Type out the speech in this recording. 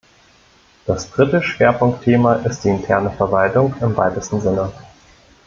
Das dritte Schwerpunktthema ist die interne Verwaltung im weitesten Sinne.